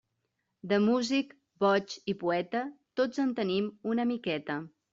De músic, boig i poeta, tots en tenim una miqueta.